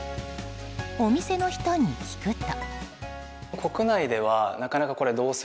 お店の人に聞くと。